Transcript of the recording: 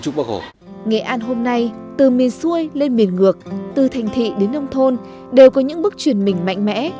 nghệ an hôm nay từ miền xuôi lên miền ngược từ thành thị đến nông thôn đều có những bước chuyển mình mạnh mẽ